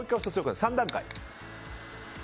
３段階。